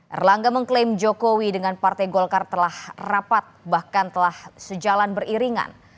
erlangga mengklaim jokowi dengan partai golkar telah rapat bahkan telah sejalan beriringan